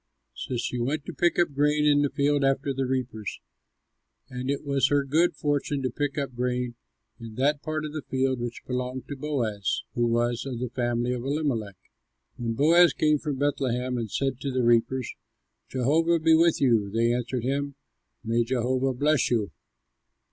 So she went to pick up grain in the field after the reapers; and it was her good fortune to pick up grain in that part of the field which belonged to Boaz, who was of the family of Elimelech. When Boaz come from Bethlehem and said to the reapers, "Jehovah be with you," they answered him, "May Jehovah bless you."